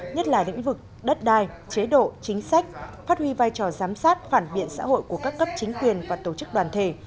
nhất là lĩnh vực đất đai chế độ chính sách phát huy vai trò giám sát phản biện xã hội của các cấp chính quyền và tổ chức đoàn thể